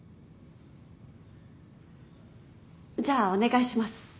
じゃあお願いします。